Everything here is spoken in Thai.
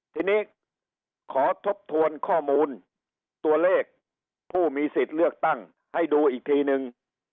ทีนี้ขอทบทวนข้อมูลตัวเลขผู้มีสิทธิ์เลือกตั้งให้ดูอีกทีนึง